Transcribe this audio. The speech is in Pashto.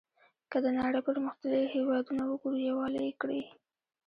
که د نړۍ پرمختللي هېوادونه وګورو یووالی یې کړی.